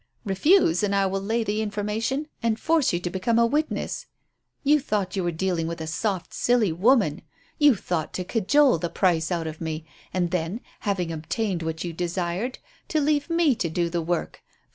Refuse, and I will lay the information and force you to become a witness. You thought you were dealing with a soft, silly woman; you thought to cajole the price out of me, and then, having obtained what you desired, to leave me to do the work.